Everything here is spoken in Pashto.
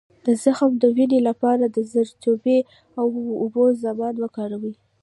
د زخم د وینې لپاره د زردچوبې او اوبو ضماد وکاروئ